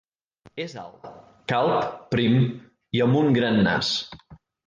És alt, calb, prim i amb un gran nas.